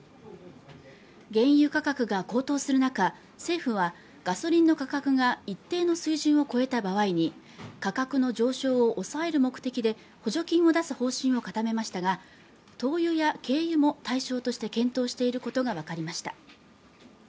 原油価格が高騰する中、政府はガソリンの価格が一定の水準を超えた場合に価格の上昇を抑える目的で補助金を出す方針を固めましたが、灯油や軽油も対象として検討していることがわかりました。